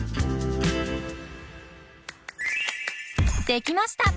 できました！